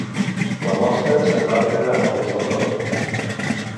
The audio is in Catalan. La mostra s’emmarca en el mes del còmic.